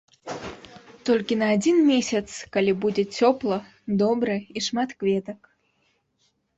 Толькі на адзін месяц, калі будзе цёпла, добра і шмат кветак.